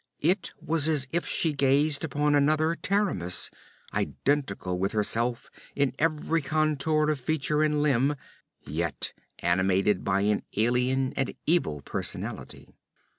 It was as if she gazed upon another Taramis, identical with herself in every contour of feature and limb, yet animated by an alien and evil personality.